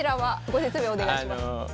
ご説明お願いします。